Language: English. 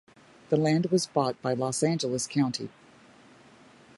The land was bought by Los Angeles County.